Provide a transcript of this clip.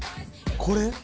これ？